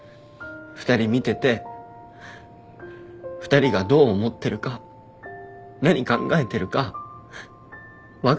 ２人見てて２人がどう思ってるか何考えてるか分かるから。